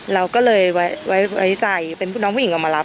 เราก็เลยไว้ที่ใจเป็นน้องผู้หนิออกมารับ